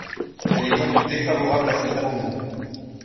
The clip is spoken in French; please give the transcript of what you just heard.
Elle est donc défavorable à cet amendement.